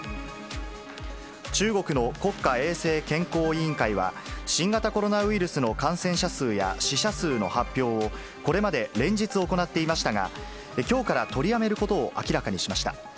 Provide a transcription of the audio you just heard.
中国の国家衛生健康委員会は、新型コロナウイルスの感染者数や死者数の発表を、これまで連日行っていましたが、きょうから取りやめることを明らかにしました。